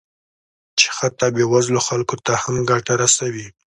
چې حتی بې وزلو خلکو ته هم ګټه رسوي